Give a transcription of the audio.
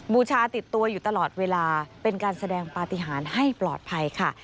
บูชาติดตัวอยู่ตลอดเวลาเป็นการแสดงปฏิหารให้ปลอดภัยค่ะ